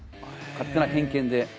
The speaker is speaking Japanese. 勝手な偏見で。